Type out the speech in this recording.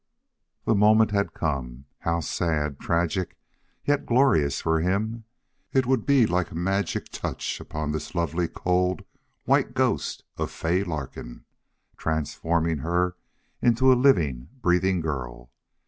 The moment had come. How sad, tragic, yet glorious for him! It would be like a magic touch upon this lovely, cold, white ghost of Fay Larkin, transforming her into a living, breathing girl.